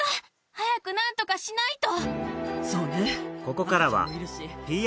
早く何とかしないと！